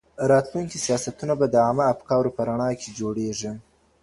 راتلونکي سياستونه به د عامه افکارو په رڼا کي جوړيږي.